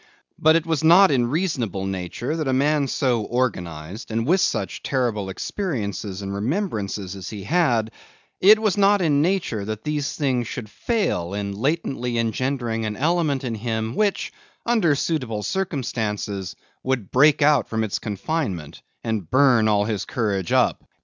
But it was not in reasonable nature that a man so organized, and with such terrible experiences and remembrances as he had; it was not in nature that these things should fail in latently engendering an element in him, which, under suitable circumstances, would break out from its confinement, and burn all his courage up.